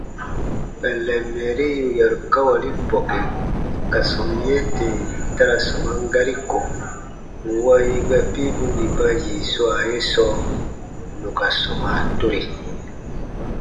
Kpɛllɛn mɛɛri yù yarukawali bɔke ka sɔm yee tè ta ra sɔman gari ko, nwa yigbɛ piibu nì ba yi swa ye sɔɔ nù ka sɔma tore.